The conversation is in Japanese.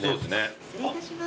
失礼いたします。